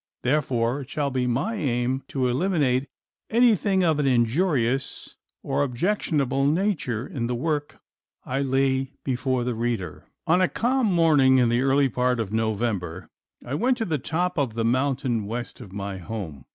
Therefore it shall be my aim to eliminate anything of an injurious or objectionable nature in the work I lay before the reader. On a calm morning in the early part of November, I went to the top of the mountain west of my home.